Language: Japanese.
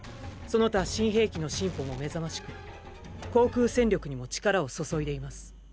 その他新兵器の進歩もめざましく航空戦力にも力を注いでいます。